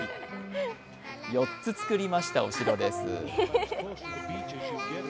４つ作りました、お城です。